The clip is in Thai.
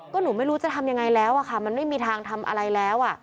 ก็หนูไม่รู้จะทำยังไงแล้วค่ะมันไม่มีทางทำอะไรแล้ว